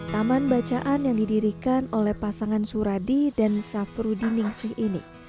taman bacaan yang didirikan oleh pasangan suradi dan safrudin ningsih ini